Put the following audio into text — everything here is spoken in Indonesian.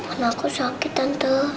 mana aku sakit tante